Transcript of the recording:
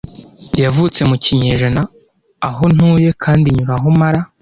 yavutse mu kinyejana aho ntuye kandi nyura aho mara